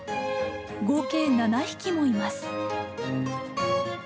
合計７匹もいます。